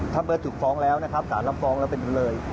ถ้าเบอร์ถูกฟ้องแล้วนะครับศาลลำฟ้องแล้วเป็นอยู่เลย